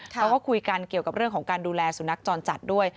เขาก็คุยกันเกี่ยวกับเรื่องของการดูแลสุนัขจรจัดด้วย